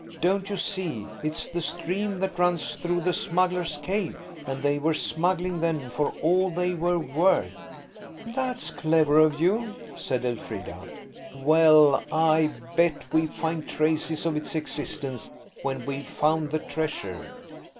Don't you see, it's the stream that runs through the smuggler's cave? and they were smuggling then for all they were worth." "That's clever of you," said Elfrida. "Well, I bet we find traces of its existence, when we've found the treasure.